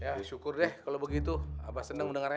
ya syukur deh kalau begitu abah senang mendengarnya